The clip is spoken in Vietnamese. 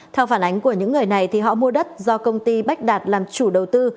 theo phản ánh của những người này họ mua đất do công ty bách đạt làm chủ đầu tư